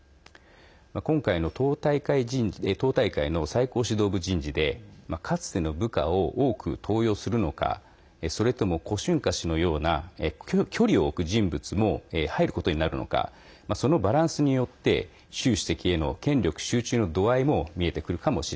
今回の党大会の最高指導部人事でかつての部下を多く登用するのかそれとも、胡春華氏のような距離を置く人物も入ることになるのかそのバランスによって習主席への権力集中の度合いもなるほど。